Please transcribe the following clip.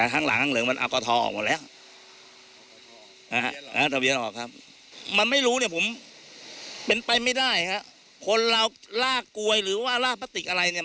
มันไม่รู้เนี่ยผมเป็นไปไม่ได้ค่ะคนเราล่ากวยหรือว่าล่าพระติกอะไรเนี่ย